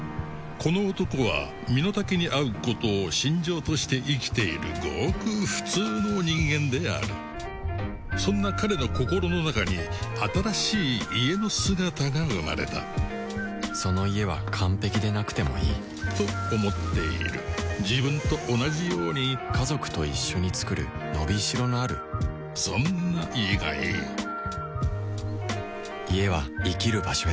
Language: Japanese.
この男は身の丈に合うことを信条として生きているごく普通の人間であるそんな彼の心の中に新しい「家」の姿が生まれたその「家」は完璧でなくてもいいと思っている自分と同じように家族と一緒に作る伸び代のあるそんな「家」がいい家は生きる場所へ